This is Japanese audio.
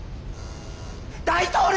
大統領。